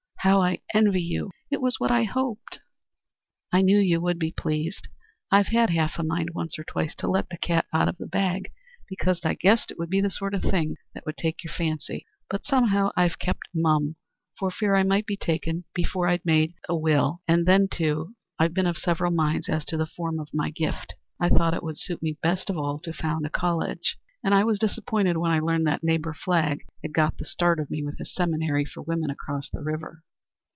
How I envy you. It was what I hoped." "I knew you would be pleased. I've had half a mind once or twice to let the cat out of the bag, because I guessed it would be the sort of thing that would take your fancy; but somehow I've kept mum, for fear I might be taken before I'd been able to make a will. And then, too, I've been of several minds as to the form of my gift. I thought it would suit me best of all to found a college, and I was disappointed when I learned that neighbor Flagg had got the start of me with his seminary for women across the river.